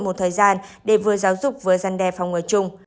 một thời gian để vừa giáo dục vừa giăn đe phòng người chung